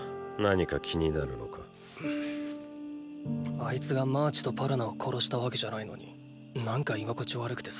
あいつがマーチとパロナを殺したわけじゃないのになんか居心地悪くてさ。